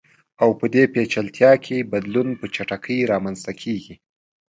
او په دې پېچلتیا کې بدلون په چټکۍ رامنځته کیږي.